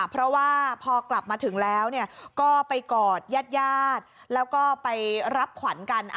เพราะว่าพอกลับมาถึงแล้วก็ไปกอดญาติแล้วก็ไปรับขวัญกัน